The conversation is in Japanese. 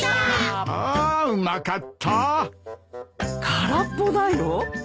空っぽだよ。